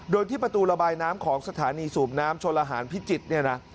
โดยที่ประตูระบายน้ำของสถานีสูบน้ำชนลหารพิจิตรเนี่ยนะ